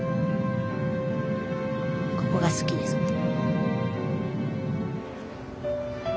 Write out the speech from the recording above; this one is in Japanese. ここが好きです。